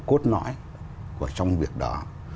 cốt nõi trong việc đó